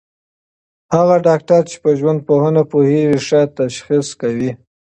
هغه ډاکټر چي په ژوندپوهنه پوهېږي، ښه تشخیص کوي.